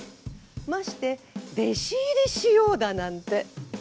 まして弟子入りしようだなんて。